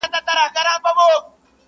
ککرۍ به ماتوي د مظلومانو،